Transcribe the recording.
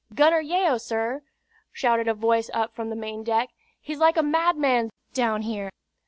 "Gunner Yeo, sir," shouted a voice up from the maindeck. "He's like a madman down here."